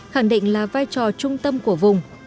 khẳng định là vai trò trung tâm của vùng